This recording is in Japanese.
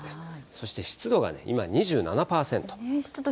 そして湿度が今、２７％。